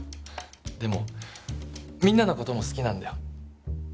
でもみんなの事も好きなんだよ。